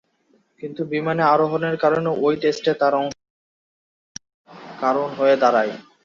কিন্তু বিমানে আরোহণের কারণে ঐ টেস্টে তার অংশগ্রহণে বাঁধার কারণ হয়ে দাঁড়ায়।